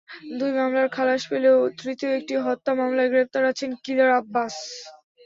দুই মামলার খালাস পেলেও তৃতীয় একটি হত্যা মামলায় গ্রেপ্তার আছেন কিলার আব্বাস।